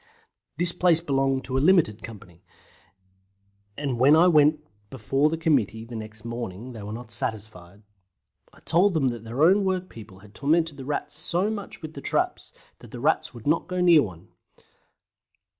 This place belonged to a limited company, and when I went before the committee the next morning they were not satisfied. I told them that their own workpeople had tormented the Rats so much with traps that the Rats would not go near one.